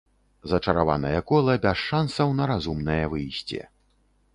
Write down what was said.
Зачараванае кола без шансаў на разумнае выйсце.